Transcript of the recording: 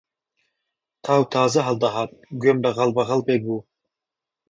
تاو تازە هەڵدەهات گوێم لە غەڵبەغەڵبێک بوو